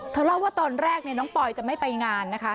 เล่าว่าตอนแรกน้องปอยจะไม่ไปงานนะคะ